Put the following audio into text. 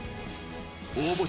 応募者